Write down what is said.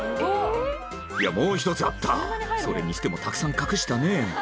いやもう１つあったそれにしてもたくさん隠したね